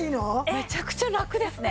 めちゃくちゃラクですね。